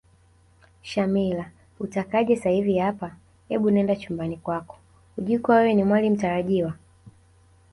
Shamila utakaje sahivi hapa ebu nenda chumbani kwako hujui kuwa wewe Ni mwali mtarajiwa